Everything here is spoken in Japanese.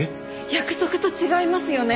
約束と違いますよね！？